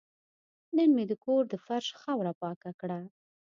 نن مې د کور د فرش خاوره پاکه کړه.